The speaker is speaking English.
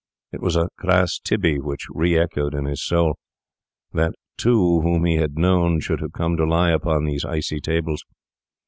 It was a cras tibi which re echoed in his soul, that two whom he had known should have come to lie upon these icy tables.